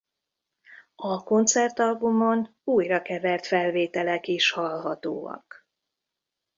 A koncertalbumon újrakevert felvételek is hallhatóak.